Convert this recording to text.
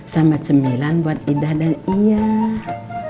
sahabat sembilan buat ida dan iyah